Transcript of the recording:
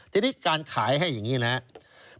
ทีนี้การขายให้อย่างนี้นะครับ